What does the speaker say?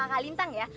asal tahu aja